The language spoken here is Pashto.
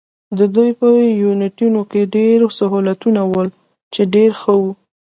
د دوی په یونیټونو کې ډېر سهولتونه ول، چې ډېر ښه وو.